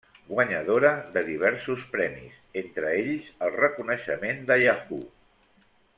Guanyadora de diversos premis, entre ells el reconeixement de Yahoo!